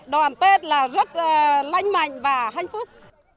đoàn tết là rất là lãnh mạnh và hạnh phúc